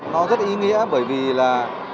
nó rất ý nghĩa bởi vì là